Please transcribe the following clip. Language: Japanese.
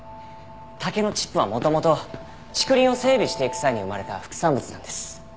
竹のチップは元々竹林を整備していく際に生まれた副産物なんです。